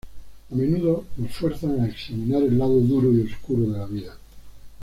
A menudo nos fuerzan a examinar el lado duro y oscuro de la vida.